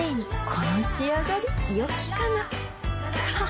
この仕上がりよきかなははっ